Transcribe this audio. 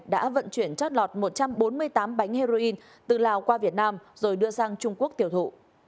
đã vận chuyển chót lọt một trăm bốn mươi tám bánh heroin từ lào qua việt nam rồi đưa sang trung quốc tiêu thụ